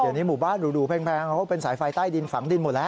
เดี๋ยวนี้หมู่บ้านหรูแพงเขาเป็นสายไฟใต้ดินฝังดินหมดแล้ว